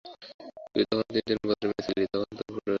তুই তখন তিন বছরের মেয়ে ছিলি, তখন তোর কথা ফুটিয়াছে।